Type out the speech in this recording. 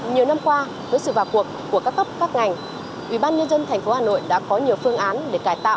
nhiều năm qua với sự vào cuộc của các cấp các ngành ubnd tp hà nội đã có nhiều phương án để cải tạo